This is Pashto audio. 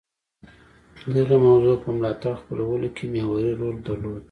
دغې موضوع په ملاتړ خپلولو کې محوري رول درلود